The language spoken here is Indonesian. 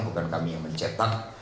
bukan kami yang mencetak